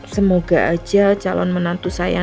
semoga aja calon menantu saya